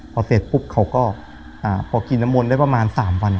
พอเสร็จปุ๊บเขาก็พอกินน้ำมนต์ได้ประมาณ๓วัน